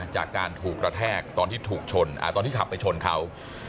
จากการถูกกระแทกตอนที่ถูกชนตอนที่ขับไปชนเขา